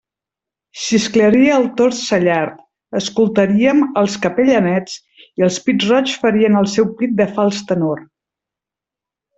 Xisclaria el tord cellard, escoltaríem els capellanets i els pit-roigs farien el seu crit de fals tenor.